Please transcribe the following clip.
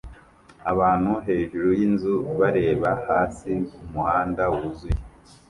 Abantu hejuru yinzu bareba hasi kumuhanda wuzuye